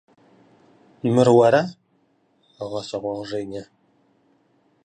– Это ты? – удивилась Женя.